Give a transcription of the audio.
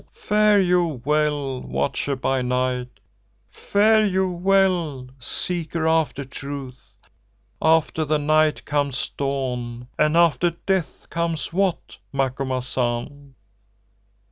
_ Fare you well, Watcher by Night, fare you well, Seeker after Truth. After the Night comes Dawn and after Death comes what—Macumazahn?